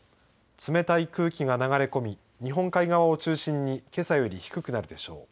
冷たい空気が流れ込み日本海側を中心にけさより低くなるでしょう。